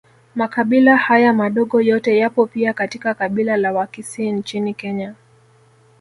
Makabila haya madogo yote yapo pia katika kabila la Wakisii nchini Kenya